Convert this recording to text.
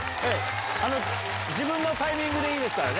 自分のタイミングでいいですから。